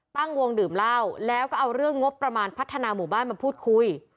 ตั้งวงดื่มเหล้าแล้วก็เอาเรื่องงบประมาณพัฒนาหมู่บ้านมาพูดคุย